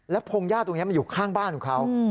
พงหญ้าตรงนี้มันอยู่ข้างบ้านของเขา